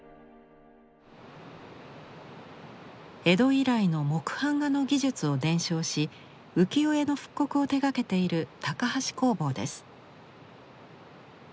江戸以来の木版画の技術を伝承し浮世絵の復刻を手がけている高橋工房です。